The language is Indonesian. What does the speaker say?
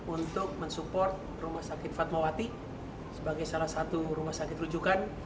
untuk mensupport rumah sakit fatmawati sebagai salah satu rumah sakit rujukan